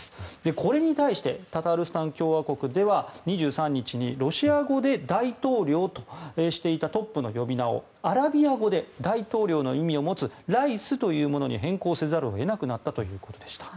これに対してタタールスタン共和国では２３日に、ロシア語で大統領としていたトップの呼び名をアラビア語で大統領の意味を持つライスに変更せざるを得なくなったということでした。